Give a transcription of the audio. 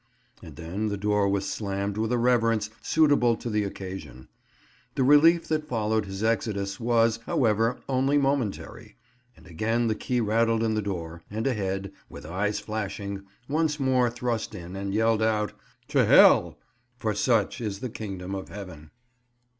and then the door was slammed with a reverence suitable to the occasion. The relief that followed his exodus was, however, only momentary; and again the key rattled in the door, and a head, with eyes flashing, was once more thrust in, and yelled out, "To hell!" For of such is the kingdom of Heaven!